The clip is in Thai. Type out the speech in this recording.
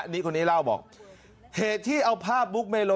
นี่คนนี้เล่าบอกเหตุที่เอาภาพบุ๊กเมโล